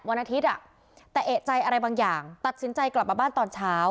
วันอาทิตย์แต่เอกใจอะไรบางอย่างตัดสินใจกลับมาบ้านตอนเช้า